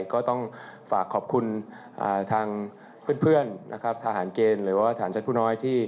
ผมก็ต้องฝากขอบคุณทางเพื่อนทหารเกณฑ์หรือพยานจันทร์ผู้น้อย